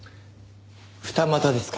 二股ですか。